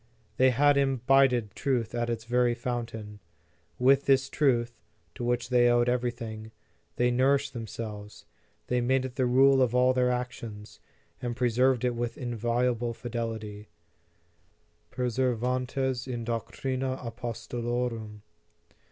They had imbibed truth at its very fountain. With this truth, to which they owed everything, they nourished themselves ; they made it the rule of all their actions, and preserved it with inviolable fidelity ; perseverantes in doctrina apostolorum.